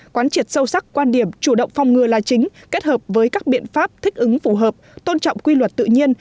quán triệt sâu sắc quan điểm chủ động phòng ngừa là chính kết hợp với các biện pháp thích ứng phù hợp tôn trọng quy luật tự nhiên